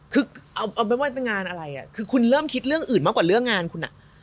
คือเอาไม่ว่าจะงานอะไรอ่ะคือคุณเริ่มคิดเรื่องอื่นมากกว่าเรื่องงานคุณอ่ะ